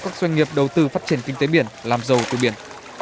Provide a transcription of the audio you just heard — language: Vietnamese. các doanh nghiệp đầu tư phát triển kinh tế biển làm giàu từ biển